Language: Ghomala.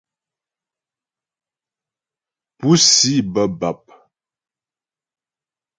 Púsi bə́ bap.